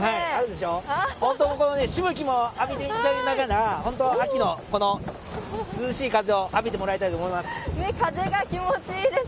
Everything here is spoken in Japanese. しぶきも浴びながら秋の涼しい風を浴びてもらいたいと思います。